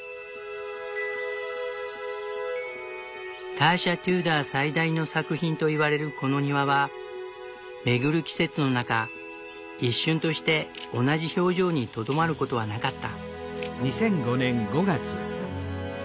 ターシャ・テューダー最大の作品と言われるこの庭は巡る季節の中一瞬として同じ表情にとどまることはなかった。